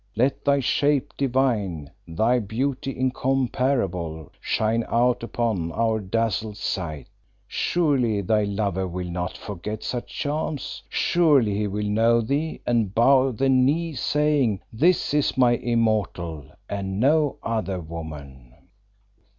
Let thy shape divine, thy beauty incomparable, shine out upon our dazzled sight. Surely thy lover will not forget such charms; surely he will know thee, and bow the knee, saying, 'This is my Immortal, and no other woman.